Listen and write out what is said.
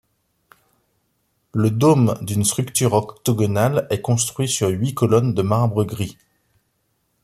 Le dôme d'un structure octogonale est construit sur huit colonnes de marbre gris.